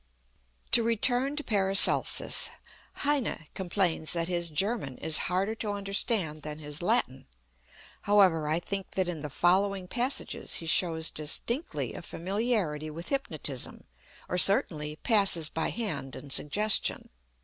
To return to PARACELSUS, HEINE complains that his German is harder to understand than his Latin. However, I think that in the following passages he shows distinctly a familiarity with hypnotism, or certainly, passes by hand and suggestion.